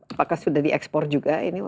apakah sudah diekspor juga